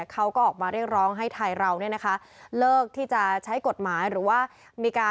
เขาก็ออกมาเรียกร้องให้ไทยเรานี่นะคะ